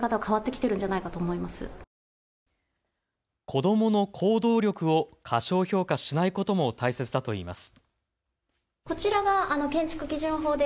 子どもの行動力を過小評価しないことも大切だといいます。